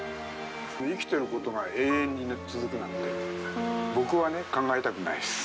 生きてることが永遠に続くなんて僕はね考えたくないです。